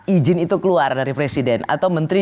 izin itu keluar dari presiden atau menteri